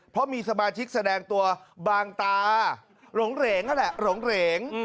เพราะมีสมาชิกแสดงตัวบางตาหลงเหรงนั่นแหละหลงเหรง